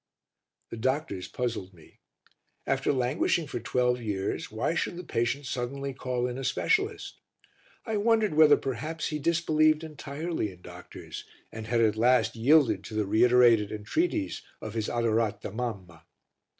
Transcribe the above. The doctors puzzled me. After languishing for twelve years, why should the patient suddenly call in a specialist? I wondered whether perhaps he disbelieved entirely in doctors, and had at last yielded to the reiterated entreaties of his adorata mamma.